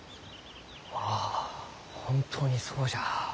ああ本当にそうじゃ。